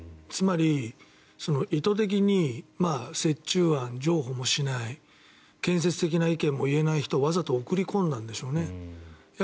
つまり、意図的に折衷案、譲歩もしない建設的な意見を言えない人をわざと送り込んだんでしょうね。